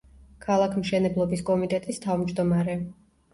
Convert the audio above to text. ქალაქმშენებლობის კომიტეტის თავმჯდომარე.